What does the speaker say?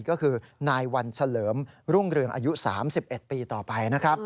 ก็คือนายวันเฉลิมรุ่งเรืองอายุ๓๑ปีต่อไปนะครับ